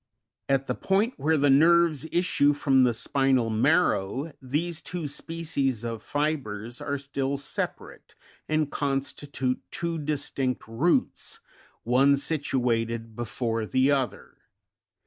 At the point where the nerves issue from the spinal marrow, these two species of fibres are still separate, and con stitute two distinct roots, one situated be fore the other {Fig.